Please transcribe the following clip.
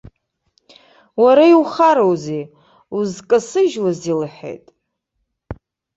Уара иухароузеи, узкасыжьуазеи лҳәеит.